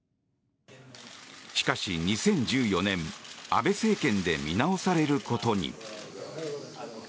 しかし、２０１４年安倍政権で見直されることに。